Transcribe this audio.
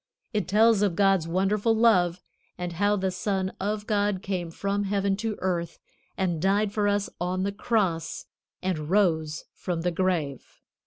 It tells of God's wonderful love, and how the Son of God came from heaven to earth and died for us on the Cross and rose from the grave.